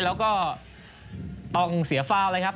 แล้วก็ต้องเสียฟาวเลยครับ